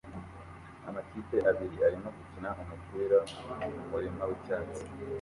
Amakipe abiri arimo gukina umupira kumurima wicyatsi